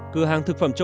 cửa hàng thực phẩm châu á